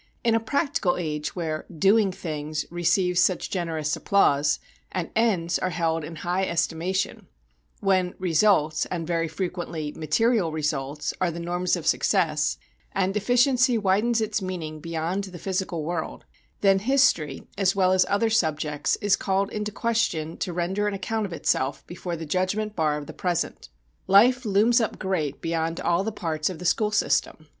In a practical age where "doing things" receives such generous applause, and "ends" are held in high estimation; when "results," and very frequently material "results," are the norms of success, and "efficiency" widens its meaning beyond the physical world, then history, as well as other subjects is called into question to render an account of itself before the judgment bar of the present. Life looms up great beyond all the parts of the school system.